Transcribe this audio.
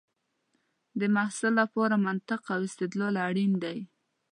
د محصل لپاره منطق او استدلال اړین دی.